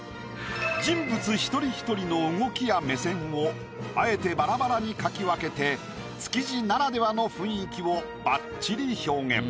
人物一人一人の動きや目線をあえてバラバラに描き分けて築地ならではの雰囲気をばっちり表現。